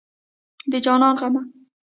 د جانان غمه